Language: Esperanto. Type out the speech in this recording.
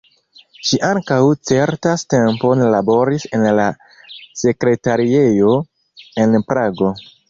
Ŝi ankaŭ certan tempon laboris en la sekretariejo en Prago.